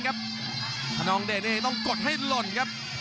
ครับคณองเดชต้องกดให้หล่นครับ